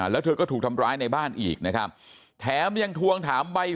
แล้วเธอก็ถูกทำร้ายในบ้านอีกนะครับแถมยังทวงถามใบ